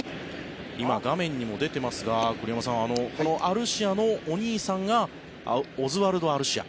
今、画面にも出ていますが栗山さんこのアルシアのお兄さんがオズワルド・アルシア。